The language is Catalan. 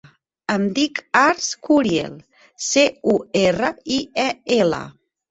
Em dic Arç Curiel: ce, u, erra, i, e, ela.